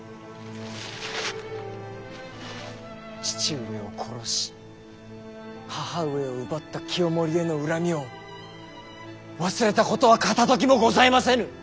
父上を殺し母上を奪った清盛への恨みを忘れたことは片ときもございませぬ。